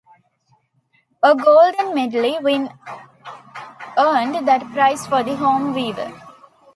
A Golden Medley win earned that prize for the home viewer.